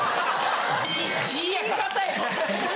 言い方や！